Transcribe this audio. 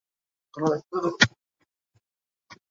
সপ্তাহে দুই-তিন দিন নিয়মিত এভাবে চর্চা করলে কালো দাগ দূর হবে।